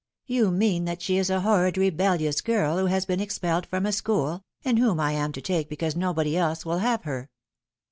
" You mean that she is a horrid rebellious girl who has been expelled from a school, and whom I am to take because nobody else will have her."